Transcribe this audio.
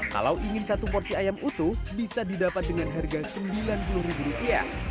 kalau ingin satu porsi ayam utuh bisa didapat dengan harga rp sembilan puluh